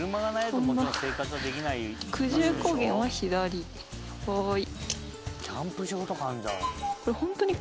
久住高原は左はい。